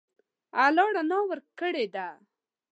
الله رڼا ورکړې ده.